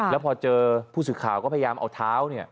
แล้วพอเจอผู้สื่อข่าวก็พยายามเอาเท้าเนี่ย